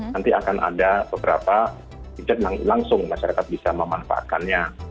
nanti akan ada beberapa langsung masyarakat bisa memanfaatkannya